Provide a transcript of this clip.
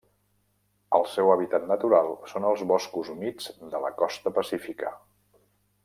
El seu hàbitat natural són els boscos humits de la costa pacífica.